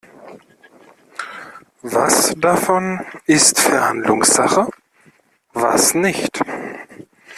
Was davon ist Verhandlungssache, was nicht?